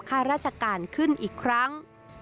ข้าราชการขึ้นอีกครั้ง